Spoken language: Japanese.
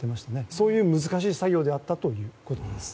そういう難しい作業であったということです。